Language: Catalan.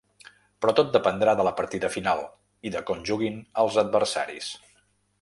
Però tot dependrà de la partida final, i de com juguin els adversaris.